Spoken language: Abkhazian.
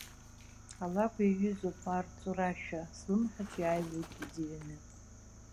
Алакә иаҩызоуп арҵу рашәа, слымҳаҿ иааҩуеит иӡҩаны.